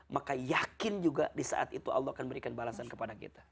maka yakin juga di saat itu allah akan memberikan balasan kepada kita